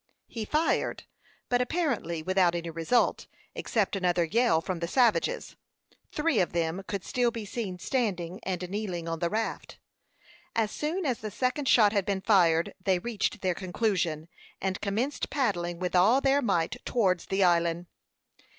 He fired, but apparently without any result, except another yell from the savages. Three of them could still be seen standing and kneeling on the raft. As soon as the second shot had been fired, they reached their conclusion, and commenced paddling with all their might towards the island.